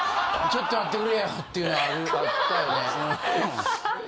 ちょっと待ってくれよっていうのはあったよねうん。